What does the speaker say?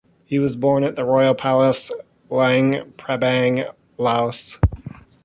He was born at the Royal Palace, Luang Prabang, Laos.